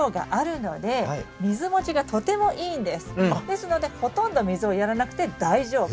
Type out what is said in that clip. ですのでほとんど水をやらなくて大丈夫。